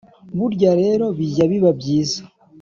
Burya rero bijya biba byiza